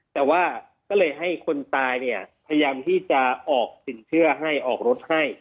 แต่ว่าก็เลยให้คนตายเนี่ยพยายามที่จะออกสินเชื่อให้ออกรถให้